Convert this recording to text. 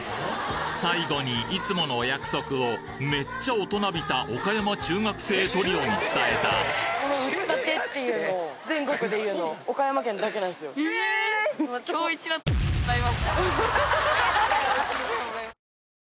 最後にいつものお約束をめっちゃ大人びた岡山中学生トリオに伝えたありがとうございます。